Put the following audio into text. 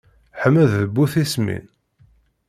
Ḥmed d bu tismin.